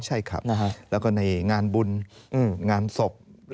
ใช่ครับแล้วก็ในงานบุญงานศพ